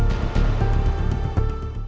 jadi yang perhatianya